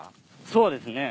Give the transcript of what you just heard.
そうですね。